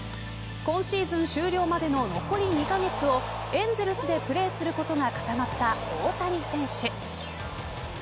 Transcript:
今シーズン終了までの残り２カ月をエンゼルスでプレーすることが固まった大谷選手。